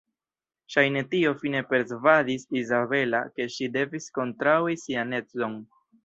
Ŝajne tio fine persvadis Izabela ke ŝi devis kontraŭi sian edzon.